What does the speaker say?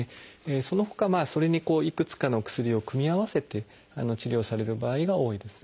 そのほかそれにいくつかの薬を組み合わせて治療される場合が多いですね。